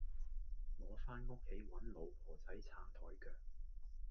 我返屋企搵老婆仔撐枱腳